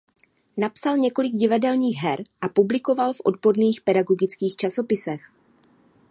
Napsal několik divadelních her a publikoval v odborných pedagogických časopisech.